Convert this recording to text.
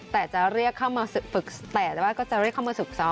แต่จะเรียกเข้ามาฝึกซ้อม